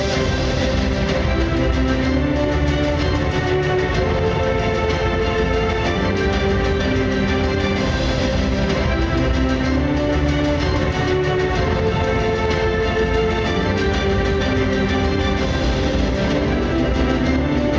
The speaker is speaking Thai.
ตัวนี้แพ็คเกจจิ้งคือดีมากเลยค่ะ